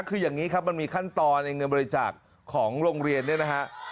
คืออย่างนี้ครับมันมีขั้นตอนในเงินบริจาคของโรงเรียนเนี่ยนะฮะ